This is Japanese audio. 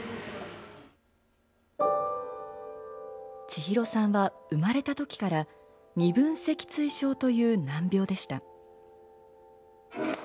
千尋さんは生まれたときから、二分脊椎症という難病でした。